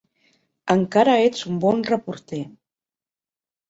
Encara ets un bon reporter.